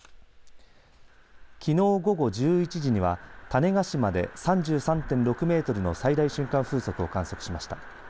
きのう午後１１時には種子島で３３．６メートルの最大瞬間風速を観測しました。